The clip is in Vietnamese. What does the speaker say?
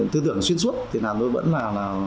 tư tưởng xuyên suốt thì nó vẫn là